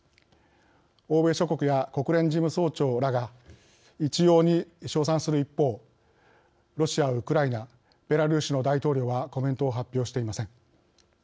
欧米諸国や国連事務総長らが一様に称賛する一方ロシア、ウクライナベラルーシの大統領はコメントを発表していません。